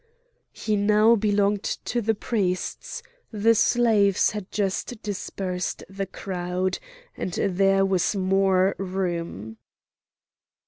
He now belonged to the priests; the slaves had just dispersed the crowd, and there was more room.